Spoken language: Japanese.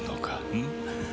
うん？